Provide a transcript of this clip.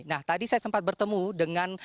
nah tadi saya sempat bertemu dengan